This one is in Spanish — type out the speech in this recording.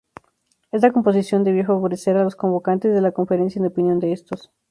Esta composición debía favorecer a los convocantes de la conferencia en opinión de estos.